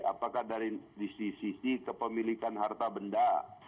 apakah dari sisi kepemilikan harta benda